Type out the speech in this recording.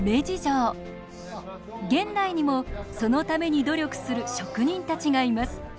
現代にもそのために努力する職人たちがいます。